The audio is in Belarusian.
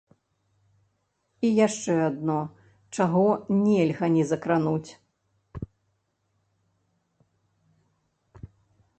І яшчэ адно, чаго нельга не закрануць.